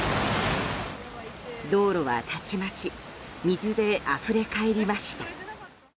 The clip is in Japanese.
道路はたちまち水であふれ返りました。